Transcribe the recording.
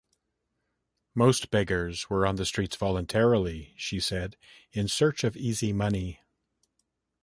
Most beggars were on the streets voluntarily, she said, in search of easy money.